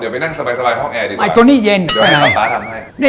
ไปนั่งรอนะ